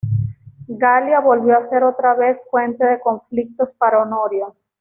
Galia volvió a ser otra vez fuente de conflictos para Honorio.